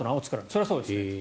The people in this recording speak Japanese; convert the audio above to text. それはそうです。